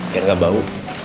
biar gak bau